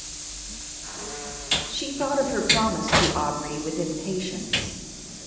She thought of her promise to Aubrey with impatience.